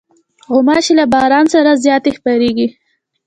غوماشې له باران وروسته زیاتې خپرېږي.